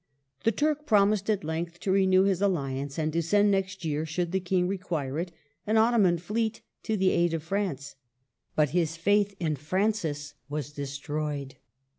The Turk promised at length to renew his alli ance, and to send next year, should the King require it, an Ottoman fleet to the aid of France ; but his faith in Francis was destroyed.